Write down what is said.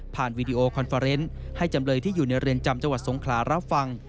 ผ่านวีดีโอคอนเฟอร์เฟอร์เต็นต์ให้จำเลยที่อยู่ในเรียนจำจสงคลารับฟัง